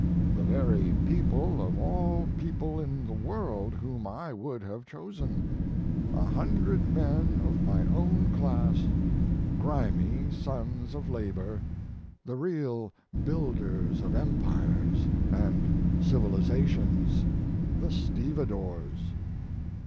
The very people of all people in the world whom I would have chosen: a hundred men of my own class grimy sons of labor, the real builders of empires and civilizations, the stevedores!